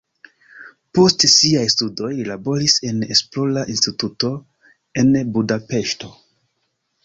Post siaj studoj li laboris en esplora instituto en Budapeŝto.